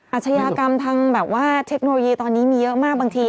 อาชญากรรมทางแบบว่าเทคโนโลยีตอนนี้มีเยอะมากบางที